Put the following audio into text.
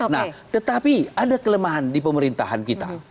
nah tetapi ada kelemahan di pemerintahan kita